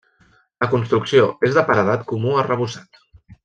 La construcció és de paredat comú arrebossat.